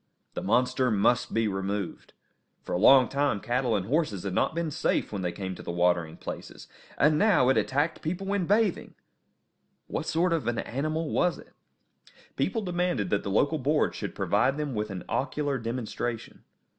The monster must be removed. For a long time cattle and horses had not been safe when they came to the watering places; and now it attacked people when bathing! What sort of an animal was it? People demanded that the local board should provide them with an ocular demonstration.